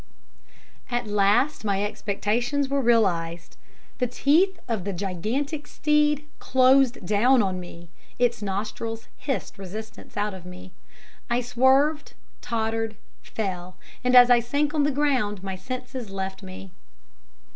At last my expectations were realized. The teeth of the gigantic steed closed down on me, its nostrils hissed resistance out of me I swerved, tottered, fell; and as I sank on the ground my senses left me.